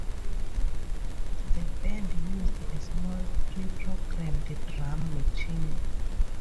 The band used a small pre-programmed drum machine.